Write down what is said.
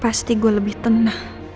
pasti gue lebih tenang